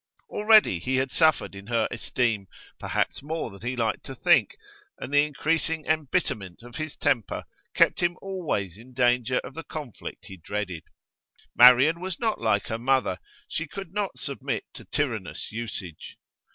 Already he had suffered in her esteem, perhaps more than he liked to think, and the increasing embitterment of his temper kept him always in danger of the conflict he dreaded. Marian was not like her mother; she could not submit to tyrannous usage.